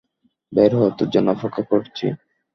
বের হ, তোর জন্য অপেক্ষা করছি।